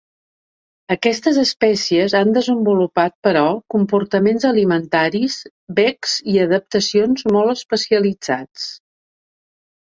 Aquestes espècies han desenvolupat però, comportaments alimentaris, becs i adaptacions molt especialitzats.